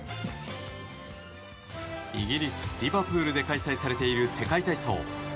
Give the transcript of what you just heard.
イギリス・リバプールで開催されている世界体操。